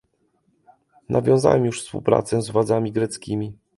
Nawiązałam już współpracę z władzami greckimi